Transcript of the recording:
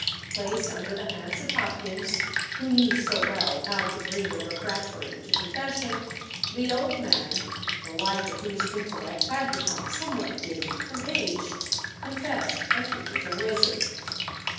Placed under the hands of Hopkins, who knew so well how to bring the refractory to confession, the old man, the light of whose intellect had become somewhat dimmed from age, confessed that he was a wizard.